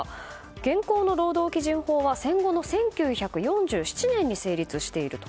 現行の労働基準法は、戦後の１９４７年に成立していると。